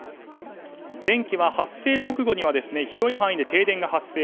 電気は発生直後には広い範囲で停電が発生。